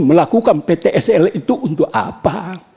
melakukan ptsl itu untuk apa